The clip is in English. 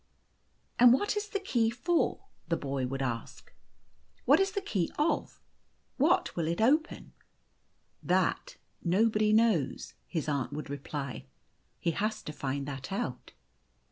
"And what is the key for?' : the boy would ask. " What is it the key of \ What will it open ?"" That nobody knows," his aunt would reply. " He has to find that out."